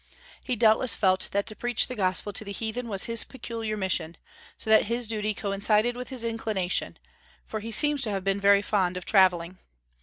He doubtless felt that to preach the gospel to the heathen was his peculiar mission; so that his duty coincided with his inclination, for he seems to have been very fond of travelling.